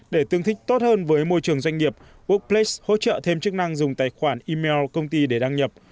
để tương thích tốt hơn với môi trường doanh nghiệp wok pleik hỗ trợ thêm chức năng dùng tài khoản email công ty để đăng nhập